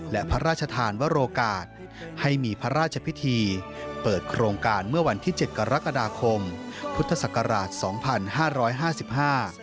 และพระราชทานวโรกาสให้มีพระราชพิธีเปิดโครงการเมื่อวันที่๗กรกฎาคมพุทธศักราช๒๕๕๕